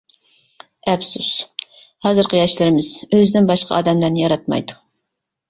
ئەپسۇس. ھازىرقى ياشلىرىمىز ئۆزىدىن باشقا ئادەملەرنى ياراتمايدۇ.